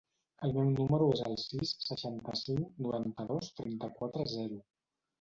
El meu número es el sis, seixanta-cinc, noranta-dos, trenta-quatre, zero.